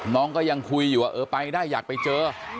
น้องก็ยังคุยอยู่ว่าเออไปได้อยากไปเจอ